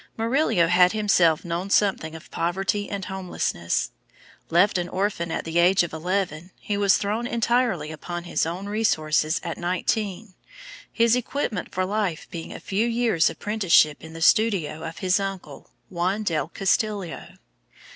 Murillo had himself known something of poverty and homelessness. Left an orphan at the age of eleven, he was thrown entirely upon his own resources at nineteen, his equipment for life being a few years' apprenticeship in the studio of his uncle, Juan del Castillo.